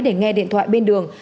để nghe điện thoại bên đường